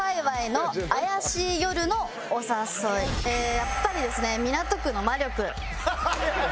やっぱりですね港区の魔力。